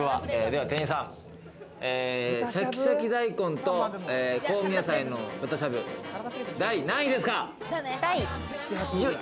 では店員さん、シャキシャキ大根と香味野菜の豚しゃぶ、第何位ですか？